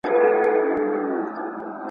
خپل ځان له ککړې هوا وساتئ.